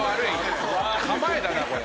構えだなこれ。